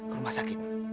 ke rumah sakit